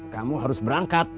kamu harus berangkat